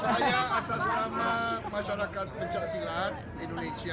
saya asal selama masyarakat pencaksilat indonesia